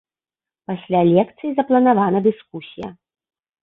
Пасля лекцыі запланавана дыскусія.